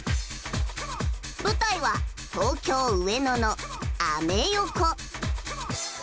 舞台は東京・上野のアメ横。